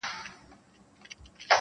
• څو ساعته به په غار کي پټ وو غلی -